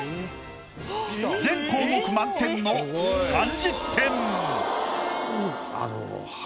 全項目満点の３０点！